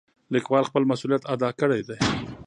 لیکوال خپل مسؤلیت ادا کړی دی.